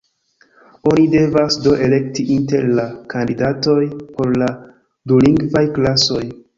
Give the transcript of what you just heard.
Oni devas, do, elekti inter la kandidatoj por la dulingvaj klasoj.